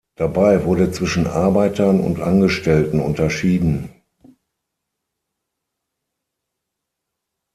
Dabei wurde zwischen Arbeitern und Angestellten unterschieden.